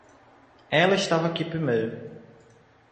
Ela estava aqui primeiro.